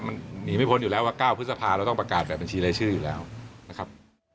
มันหนีไม่พ้นอยู่แล้วว่า๙พฤษภาเราต้องประกาศแบบบัญชีรายชื่ออยู่แล้วนะครับ